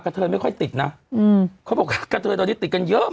คัทเทยนไม่ค่อยน่ะอืมเขาบอกว่าตอนที่ติดกันเยอะมาก